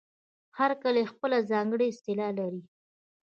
هر کلی خپله ځانګړې اصطلاح لري.